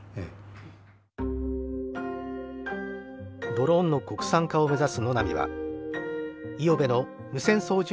ドローンの国産化を目指す野波は五百部の無線操縦